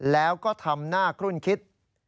แล้วก็ทำหน้าคลุ่นคิด